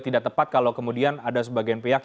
tidak tepat kalau kemudian ada sebagian pihak